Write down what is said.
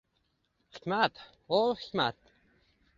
Hikmat, hov, Hikmat!